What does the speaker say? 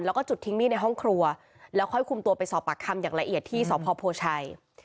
แล้วก็จุดทิ้งมีดในห้องครัวแล้วค่อยคุมตัวไปสอบปากคำอย่างละเอียดที่สพโพชัย